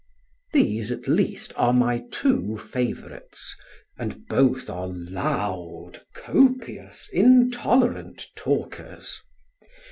These, at least, are my two favourites, and both are loud, copious intolerant talkers.